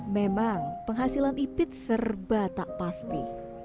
memang penghasilan ipid serba tak pasti